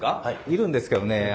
いるんですけどね